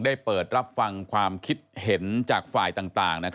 เปิดรับฟังความคิดเห็นจากฝ่ายต่าง